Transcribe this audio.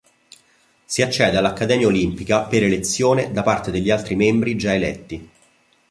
Si accede all'Accademia Olimpica per elezione da parte degli altri membri già eletti.